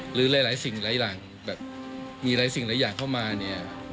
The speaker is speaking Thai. หรือหลายสิ่งหลายอย่างแบบมีหลายสิ่งหลายอย่างเข้ามาเนี่ย